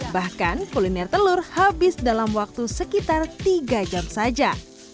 bahkan kuliner telur habis dalam waktu sekitar tiga jam saja